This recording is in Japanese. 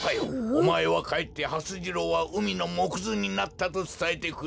おまえはかえってはす次郎はうみのもくずになったとつたえてくれ。